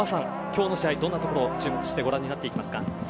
今日の試合どんなところに注目してご覧になっていきますか。